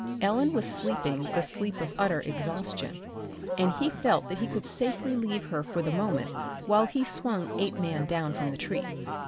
Ellen was sleeping the sleep of utter exhaustion and he felt that he could safely leave her for the moment while he swung Apeman down from the tree.